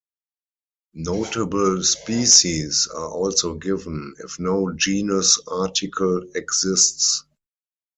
Notable species are also given if no genus article exists.